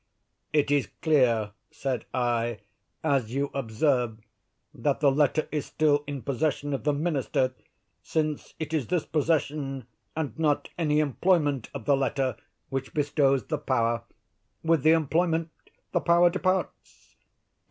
"It is clear," said I, "as you observe, that the letter is still in possession of the minister; since it is this possession, and not any employment of the letter, which bestows the power. With the employment the power departs."